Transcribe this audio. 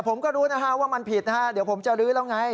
ผมก็รู้นะฮะว่ามันผิดนะฮะเดี๋ยวผมจะรื้อแล้วไง